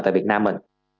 tại việt nam mình